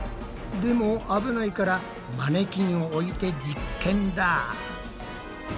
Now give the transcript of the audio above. でも危ないからマネキンを置いて実験だ。